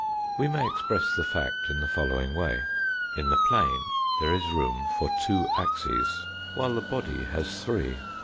We may express the fact in the following way : In the plane there is room for two axes while the body has three.